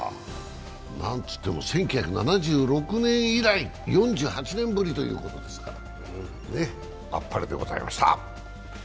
何といっても１９７６年以来４８年ぶりということですから、あっぱれでございました。